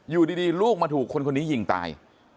อยู่ดีลูกมาถูกคนคนนี้ยิงตาย